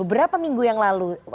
beberapa minggu yang lalu